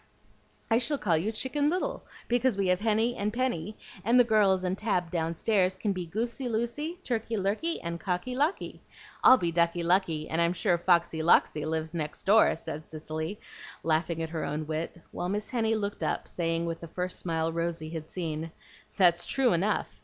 "I shall call you Chicken Little, because we have Henny and Penny; and the girls and Tab downstairs can be Goosey Loosey, Turkey Lurkey, and Cocky Locky. I'll be Ducky Lucky, and I'm sure Foxy Loxy lives next door," said Cicely, laughing at her own wit, while Miss Henny looked up, saying, with the first smile Rosy had seen, "That's true enough!